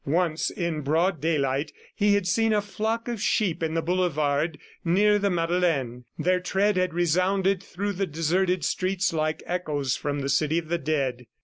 Once, in broad daylight, he had seen a flock of sheep in the boulevard near the Madeleine. Their tread had resounded through the deserted streets like echoes from the city of the dead.